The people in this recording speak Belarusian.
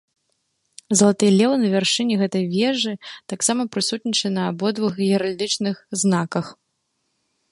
Залаты леў на вяршыні гэтай вежы таксама прысутнічае на абодвух геральдычных знаках.